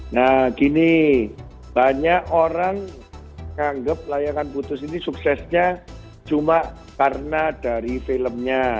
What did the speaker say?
nah gini banyak orang menganggap layangan putus ini suksesnya cuma karena dari filmnya